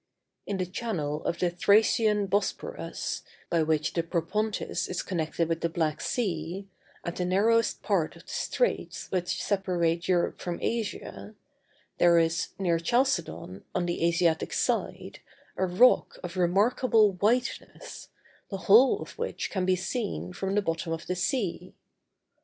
In the channel of the Thracian Bosporus, by which the Propontis is connected with the Black Sea, at the narrowest part of the Straits which separate Europe from Asia, there is, near Chalcedon, on the Asiatic side, a rock of remarkable whiteness, the whole of which can be seen from the bottom of the sea.